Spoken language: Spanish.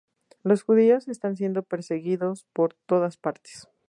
Los judíos están siendo perseguidos por todas partes.